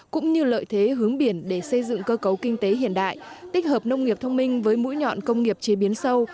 cũng như lợi thế hướng biển để xây dựng cơ cấu kinh tế hiện đại tích hợp nông nghiệp thông minh với mũi nhọn công nghiệp chế biến sâu